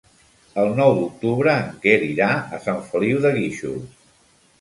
El nou d'octubre en Quer irà a Sant Feliu de Guíxols.